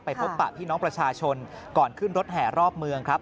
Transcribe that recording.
พบปะพี่น้องประชาชนก่อนขึ้นรถแห่รอบเมืองครับ